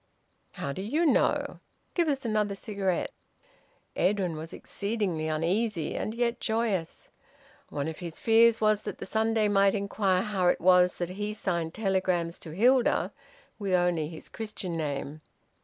"How do you know? Give us another cigarette." Edwin was exceedingly uneasy, and yet joyous. One of his fears was that the Sunday might inquire how it was that he signed telegrams to Hilda with only his Christian name.